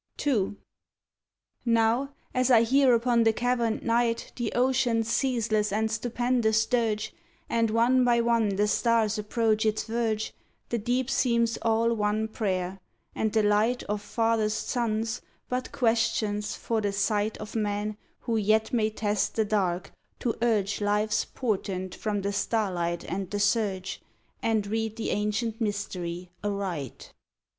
117 "Three sonnets bt ^he nighh sea II Now, as I hear upon the cavemed night The ocean's ceaseless and stupendous dirge, And one by one the stars approach its verge, The deep seems all one prayer, and the light Of farthest suns but questions for the sight Of men who yet may test the Dark, to urge Life's portent from the starlight and the surge. And read the ancient Mystery aright.